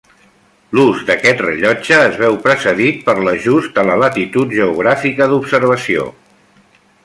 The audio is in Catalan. L'ús d'aquest rellotge es veu precedit per l'ajust a la latitud geogràfica d'observació.